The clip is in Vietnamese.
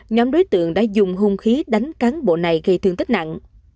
nhóm đối tượng đã dùng hung khí đánh cán bộ này gây thương tích nặng